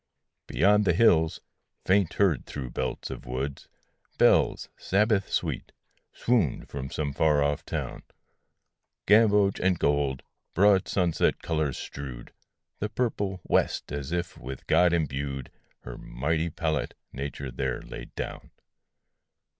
Beyond the hills, faint heard through belts of wood, Bells, Sabbath sweet, swooned from some far off town: Gamboge and gold, broad sunset colors strewed The purple west as if, with God imbued, Her mighty pallet Nature there laid down.